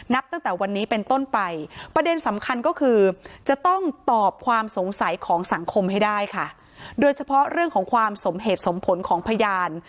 ตั้งแต่วันนี้เป็นต้นไปประเด็นสำคัญก็คือจะต้องตอบความสงสัยของสังคมให้ได้ค่ะโดยเฉพาะเรื่องของความสมเหตุสมผลของพยาน